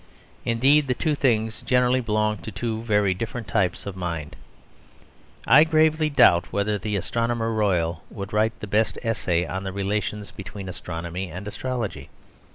Indeed, the two things generally belong to two very different types of mind. I gravely doubt whether the Astronomer Royal would write the best essay on the relations between astronomy and astrology.